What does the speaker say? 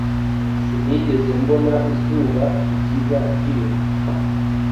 Sinigeze mbona izuba ryiza rirenze.